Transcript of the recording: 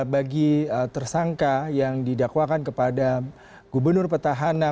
bagi tersangka yang didakwakan kepada gubernur petahana